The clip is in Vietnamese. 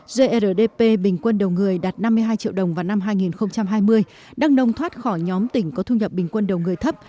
grdp bình quân đầu người đạt năm mươi hai triệu đồng vào năm hai nghìn hai mươi đắk nông thoát khỏi nhóm tỉnh có thu nhập bình quân đầu người thấp